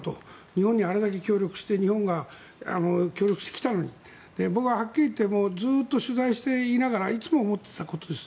日本にあれだけ協力してきたのに僕ははっきり言ってずっと取材していながらいつも思っていたことです。